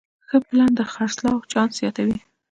ښه پلان د خرڅلاو چانس زیاتوي.